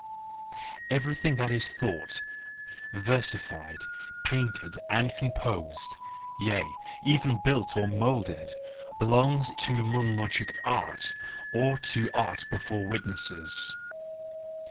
—Everything that is thought, versi¬ fied, painted and composed, yea, even built and moulded, belongs either to monologic art, or to art before witnesses.